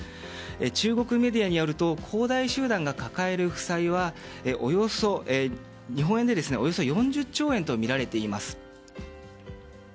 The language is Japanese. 中国メディアによると恒大集団が抱える負債は日本円でおよそ４０兆円とみられています。